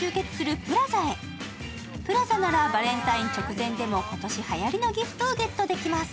ＰＬＡＺＡならバレンタイン直前でも今年はやりのギフトをゲットできます。